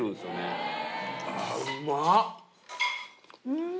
うん。